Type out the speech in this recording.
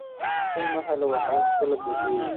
ته یې مه حلوه، هغه خپله پوهیږي